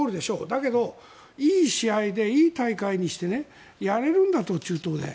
だけど、いい試合でいい大会にしてやれるんだと、中東で。